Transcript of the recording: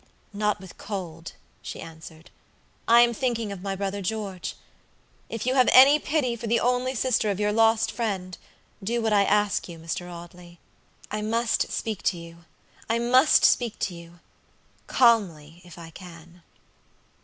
"Not with cold," she answered. "I am thinking of my brother George. If you have any pity for the only sister of your lost friend, do what I ask you, Mr. Audley. I must speak to youI must speak to youcalmly, if I can."